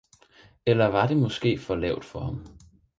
eller var det måske for lavt for ham!